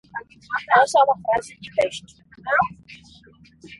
Essa é uma frase de teste